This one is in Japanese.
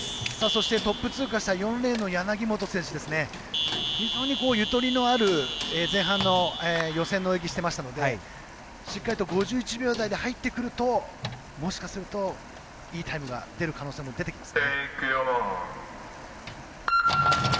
そして、トップ通過した４レーンの柳本選手は非常に、ゆとりのある前半の予選の泳ぎしていましたのでしっかりと５１秒台で入ってくるともしかするといいタイムが出る可能性も出てきます。